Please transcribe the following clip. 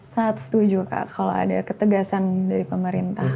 saya setuju kak kalau ada ketegasan dari pemerintah